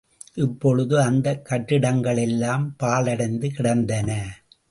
இப்பொழுது அந்தக் கட்டிடங்களெல்லாம் பாழடைந்து கிடந்தன.